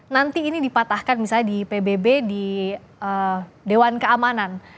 nanti ini dipatahkan misalnya di pbb di dewan keamanan